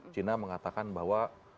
cina mengatakan bahwa